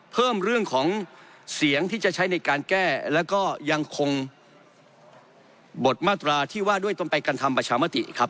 เรื่องของเสียงที่จะใช้ในการแก้แล้วก็ยังคงบทมาตราที่ว่าด้วยต้นไปการทำประชามติครับ